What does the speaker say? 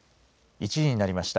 １時になりました。